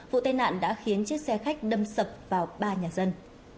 vụ tai nạn đã khiến chiếc xe khách đâm sập vào ba nhà dân